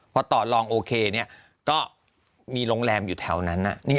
พอต่อลองโอเคก็มีโรงแรมอยู่แถวนั้น